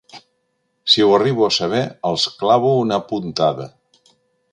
Si ho arribo a saber els clavo una puntada.